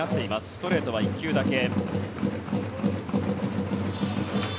ストレートは１球だけ。